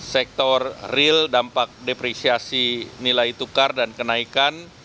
sektor real dampak depresiasi nilai tukar dan kenaikan